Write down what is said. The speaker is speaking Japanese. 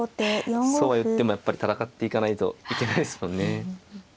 そうはいってもやっぱり戦っていかないといけないですもんね。